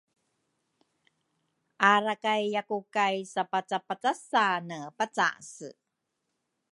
arakayyaku kay sapacapacasane pacase.